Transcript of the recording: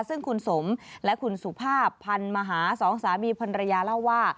ซึ่งคุณสมและคุณสุภาพพันธ์มหาสองสามีพันรยาเล่าว่า